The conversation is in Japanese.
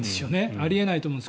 あり得ないと思います。